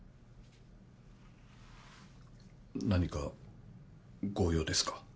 何かご用ですか？